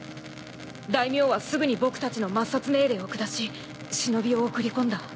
大名はすぐに僕たちの抹殺命令をくだし忍を送り込んだ。